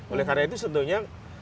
oleh karena itu sebetulnya